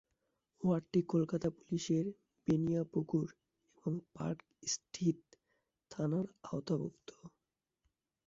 ওয়ার্ডটি কলকাতা পুলিশের বেনিয়াপুকুর এবং Park Street থানার আওতাভুক্ত।